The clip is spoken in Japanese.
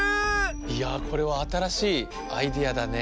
いやこれはあたらしいアイデアだね。